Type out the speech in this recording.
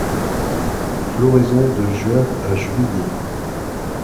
Floraison de juin à juillet.